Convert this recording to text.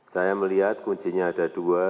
saya melihat kuncinya ada dua